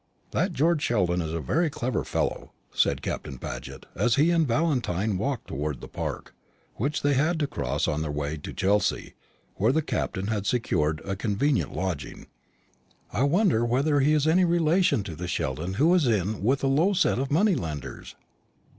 "That Sheldon seems a very clever fellow," said Captain Paget, as he and Valentine walked towards the Park, which they had to cross on their way to Chelsea, where the Captain had secured a convenient lodging. "I wonder whether he is any relation to the Sheldon who is in with a low set of money lenders?"